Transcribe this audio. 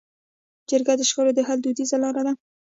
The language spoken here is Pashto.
جرګه د شخړو د حل دودیزه لاره ده.